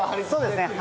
そうですね。